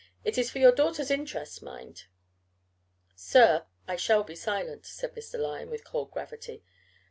It is for your daughter's interest, mind." "Sir, I shall be silent," said Mr. Lyon, with cold gravity.